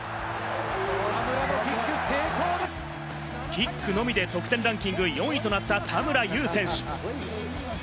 キックのみで得点ランキング４位となった田村優選手。